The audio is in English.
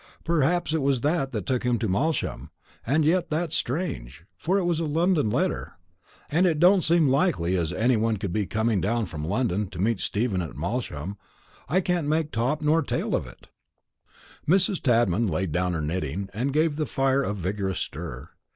Perhaps it was that as took him to Malsham; and yet that's strange, for it was a London letter and it don't seem likely as any one could be coming down from London to meet Steph at Malsham. I can't make top nor tail of it." Mrs. Tadman laid down her knitting, and gave the fire a vigorous stir.